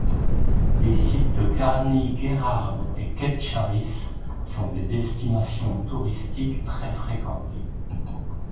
Les sites de Garni, Geghard et Ketcharis sont des destinations touristiques très fréquentées.